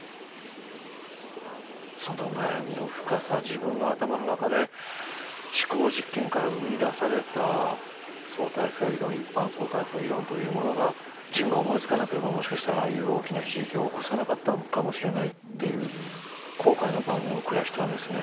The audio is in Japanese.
その悩みの深さ自分の頭の中で思考実験から生み出された相対性理論一般相対性理論というものが自分が思いつかなければもしかしたらああいう大きな悲劇を起こさなかったかもしれないっていう後悔の晩年を暮らしたんですね